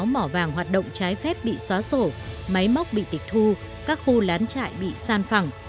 một mươi mỏ vàng hoạt động trái phép bị xóa sổ máy móc bị tịch thu các khu lán trại bị san phẳng